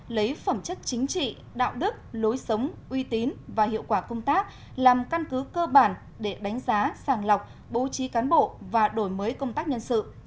lấy phẩm chất chính trị đạo đức lối sống uy tín và hiệu quả công tác làm căn cứ cơ bản để đánh giá sàng lọc bố trí cán bộ và đổi mới công tác nhân sự